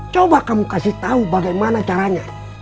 coba kamu kasih tahu bagaimana caranya